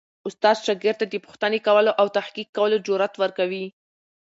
استاد شاګرد ته د پوښتنې کولو او تحقیق کولو جرئت ورکوي.